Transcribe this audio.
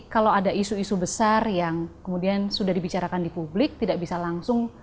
kalau ada isu isu besar yang kemudian sudah dibicarakan di publik tidak bisa langsung